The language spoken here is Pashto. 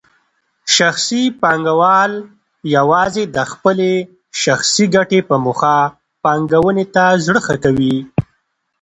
شخصي پانګوال یوازې د خپلې شخصي ګټې په موخه پانګونې ته زړه ښه کوي.